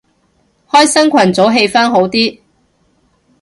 開新群組氣氛好啲